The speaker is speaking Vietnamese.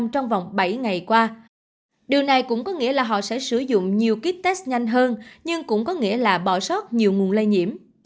trong vòng bảy ngày qua điều này cũng có nghĩa là họ sẽ sử dụng nhiều kíp tết nhanh hơn nhưng cũng có nghĩa là bỏ sót nhiều nguồn lây nhiễm